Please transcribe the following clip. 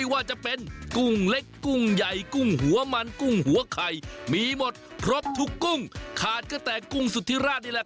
ก็จะใหญ่ขึ้นกว่านี้ครับ